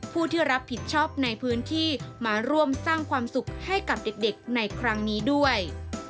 ผู้ที่รับผิดชอบในพื้นที่มาร่วมสร้างความสุขให้กับเด็กในครั้งนี้ด้วย